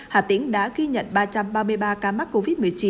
hà tĩnh đã ghi nhận ba trăm ba mươi ba ca mắc covid một mươi chín